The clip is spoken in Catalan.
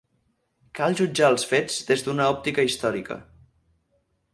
Cal jutjar els fets des d'una òptica històrica.